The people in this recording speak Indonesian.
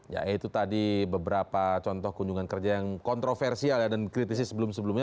ya itu tadi beberapa contoh kunjungan kerja yang kontroversial dan dikritisi sebelum sebelumnya